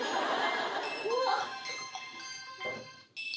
うわっ！